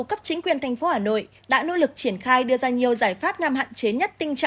các chỉ số sinh tồn của anh k đã ổn định